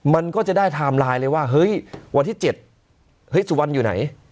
มันก็จะได้ไทม์ไลน์เลยว่าเฮ้ยวันที่๗เฮ้ยสุวรรณอยู่ไหน